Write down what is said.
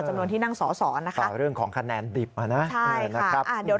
ต่อจำนวนที่นั่งสอนะคะเรื่องของคะแนนดิบอ่ะนะค่ะเดี๋ยว